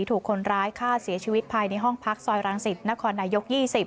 ถูกคนร้ายฆ่าเสียชีวิตภายในห้องพักซอยรังสิตนครนายก๒๐